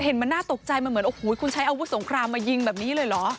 เห็นมันน่าตกใจมันเหมือนโอ้โหคุณใช้อาวุธสงครามมายิงแบบนี้เลยเหรอ